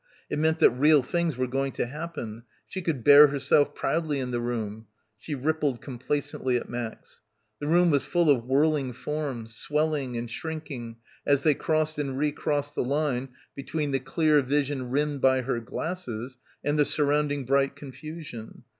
It meant that real things were going to happen, she could bear herself proudly in the room. She rippled com placently at Max. The room was full of whirling forms, swelling and shrinking as they crossed and recrossed the line between the clear vision rimmed by her glasses and the surrounding bright confusion.